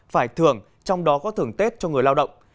phải thưởng trong đó có thưởng tết cho người lao động